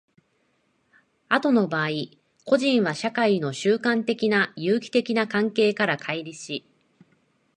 後の場合、個人は社会の習慣的な有機的な関係から乖離し、